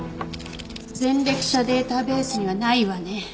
前歴者データベースにはないわね。